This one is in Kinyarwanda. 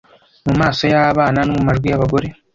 mu maso y'abana no mu majwi y'abagore